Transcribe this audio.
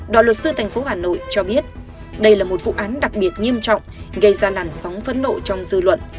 đoạn luật sư thành phố hà nội cho biết đây là một vụ án đặc biệt nghiêm trọng gây ra nản sóng phấn nộ trong dư luận